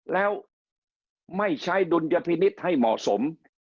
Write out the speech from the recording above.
แล้วไม่ใช้ดุลยพินิษฐ์ให้เหมาะสม